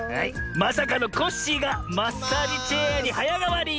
まさかのコッシーがマッサージチェアにはやがわり！